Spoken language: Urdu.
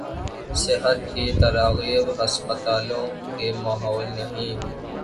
صحت کی تراغیب ہسپتالوں کے ماحول نہیں